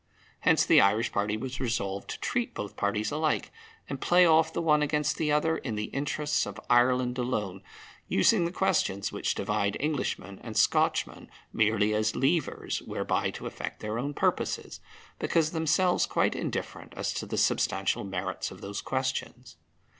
Hence the Irish party was resolved to treat both parties alike, and play off the one against the other in the interests of Ireland alone, using the questions which divide Englishmen and Scotchmen merely as levers whereby to effect their own purposes, because themselves quite indifferent to the substantial merits of those questions.